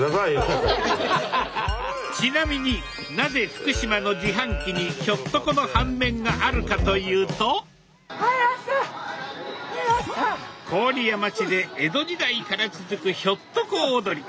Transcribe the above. ちなみになぜ福島の自販機にひょっとこの半面があるかというと郡山市で江戸時代から続くひょっとこ踊り。